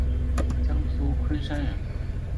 江苏昆山人。